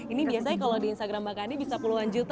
ini biasanya kalau di instagram mbak kandi bisa puluhan juta